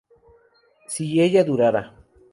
si ella dudara